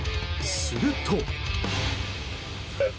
すると。